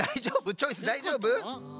チョイスだいじょうぶ？